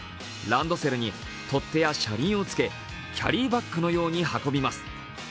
ランドセルに取っ手や車輪をつけキャリーバッグのように運びます。